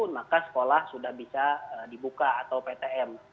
maka sekolah sudah bisa dibuka atau ptm